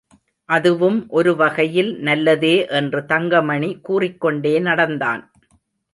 அதுவும் ஒரு வகையில் நல்லதே என்று தங்கமணி கூறிக்கொண்டே நடந்தான்.